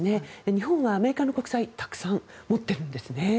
日本はアメリカの国債たくさんもっているんですね。